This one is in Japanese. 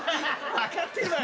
分かってるわよ。